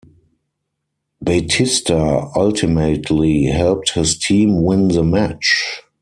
Batista ultimately helped his team win the match.